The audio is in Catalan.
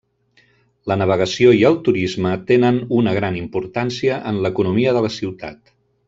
La navegació i el turisme tenen una gran importància en l'economia de la ciutat.